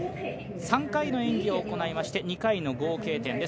３回の演技を行いまして２回の合計点。